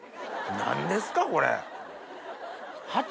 何ですかこれ。